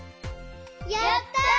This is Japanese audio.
やった！